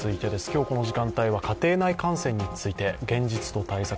今日この時間帯は、家庭内感染について現実と対策。